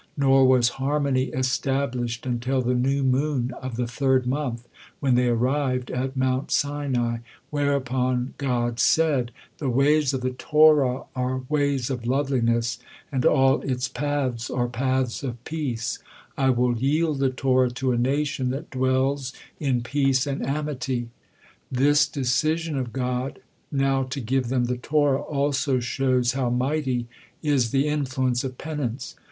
Nor was harmony established until the new moon of the third month, when they arrived at Mount Sinai; whereupon God said: "The ways of the Torah are ways of loveliness, and all its paths are paths of peace; I will yield the Torah to a nation that dwells in peace and amity." This decision of God, now to give them the Torah, also shows how mighty is the influence of penance.